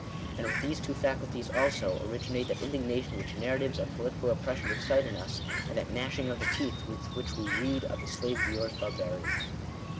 And with these two faculties also, originate that indignation which narratives of political oppres sion excite in us, and that gnashing of the teeth with which we read of the slave dealers barbarities.